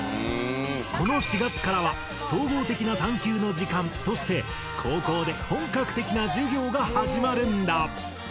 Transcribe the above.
この４月からは「総合的な探究の時間」として高校で本格的な授業が始まるんだ。